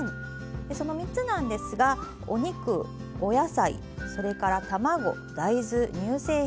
その３つなんですがお肉お野菜それから卵・大豆・乳製品。